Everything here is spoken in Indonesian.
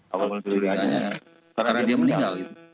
awal mula curiganya karena dia meninggal